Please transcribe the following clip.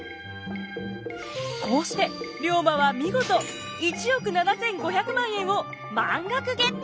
こうして龍馬は見事１億７，５００万円を満額ゲット！